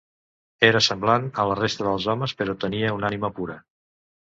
Era semblant a la resta dels homes, però tenia una ànima pura.